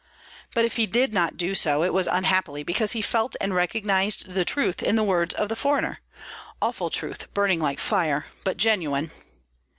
But if he did not do so, it was unhappily because he felt and recognized truth in the words of the foreigner, awful truth burning like fire, but genuine.